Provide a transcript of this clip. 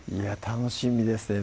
楽しみですね